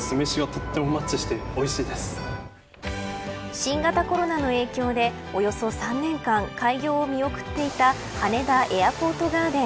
新型コロナの影響でおよそ３年間開業を見送っていた羽田エアポートガーデン。